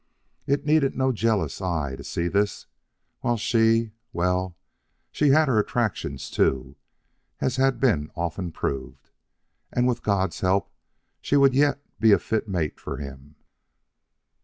It needed no jealous eye to see this; while she well, she had her attractions too, as had been often proved, and with God's help she would yet be a fit mate for him.